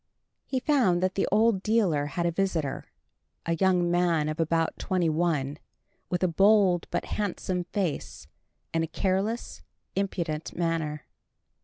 He found that the old dealer had a visitor, a young man of about twenty one, with a bold but handsome face and a careless, impudent manner.